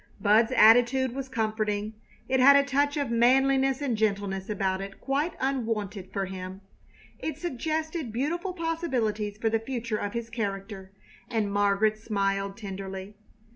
Bud's attitude was comforting. It had a touch of manliness and gentleness about it quite unwonted for him. It suggested beautiful possibilities for the future of his character, and Margaret smiled tenderly.